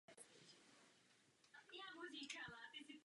Josef Zikmund je ženatý.